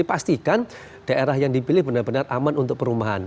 pastikan daerah yang dipilih benar benar aman untuk perumahan